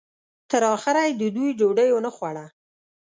تر اخره یې د دوی ډوډۍ ونه خوړه.